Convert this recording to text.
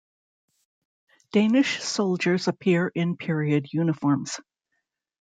Danish soldiers appear in period uniforms.